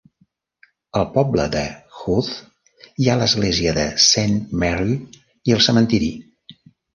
Al poble de Howth hi ha l'església de Saint Mary i el cementiri.